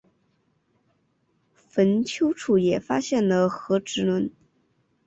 坟丘处也发现了和埴轮。